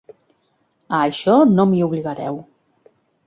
A això no m'hi obligareu.